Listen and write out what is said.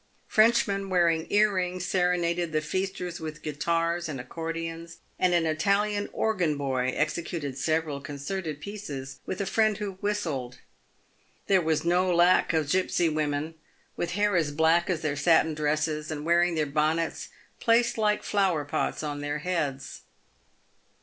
Frenchmen wearing earrings serenaded the feasters with guitars '^ad accordions, and an Italian organ boy exe cuted several concerted pieces with a friend who whistled. There was no lack of gipsy women, with hair as black as their satin dresses, and wearing their bonnets placed like flower pots on their heads.